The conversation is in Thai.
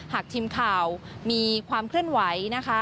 หากทีมข่าวมีความเคลื่อนไหวนะคะ